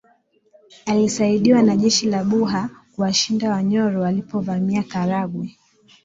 Alisaidiwa na jeshi la buha kuwashinda wanyoro walipovamia karagwe